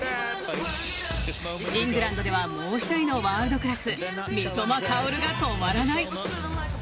イングランドではもう１人のワールドクラス三笘薫が止まらない。